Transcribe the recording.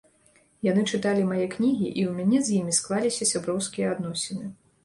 Яны чыталі мае кнігі, і ў мяне з імі склаліся сяброўскія адносіны.